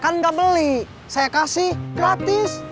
kan nggak beli saya kasih gratis